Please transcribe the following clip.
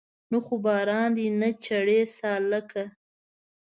نه خو باران دی نه جړۍ سالکه